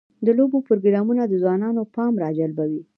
د لوبو پروګرامونه د ځوانانو پام راجلبوي.